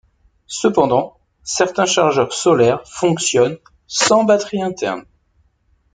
Cependant, certains chargeurs solaires fonctionnent sans batterie interne.